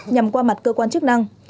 nhằm qua mặt cơ quan chức năng